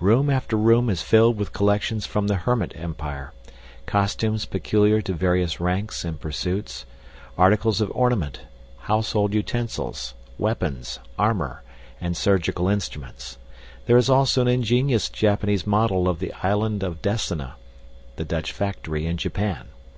Room after room is filled with collections from the Hermit Empire costumes peculiar to various ranks and pursuits, articles of ornament, household utensils, weapons, armor, and surgical instruments. There is also an ingenious Japanese model of the Island of Desina, the Dutch factory in Japan.